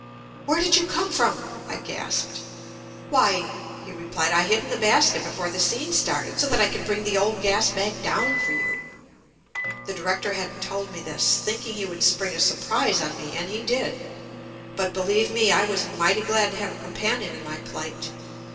^Where did you come from?" I gasped. "Why," he replied, "I hid in the basket before the scene started so that I could bring the old gas bag down for you." The director hadn't told me this, thinking he would spring a surprise on me and he did. But believe me, I was mighty glad to have a com panion in my plight.